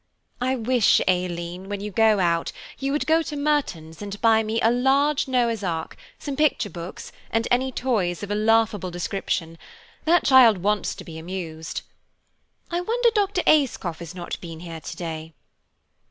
I wish, Aileen, when you go out, you would go to Merton's and buy me a large Noah's ark, some picture books, and any toys of a laughable description; that child wants to be amused. I wonder Dr. Ayscough has not been here to day?"